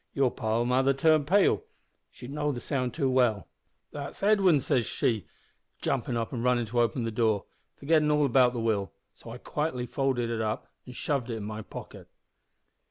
Your poor mother turned pale she know'd the sound too well. `That's Edwin,' she says, jumpin' up an runnin' to open the door, forgetting all about the will, so I quietly folded it up an' shoved it in my pocket.